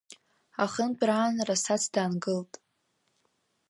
Ахынтә раан Расац даангылт.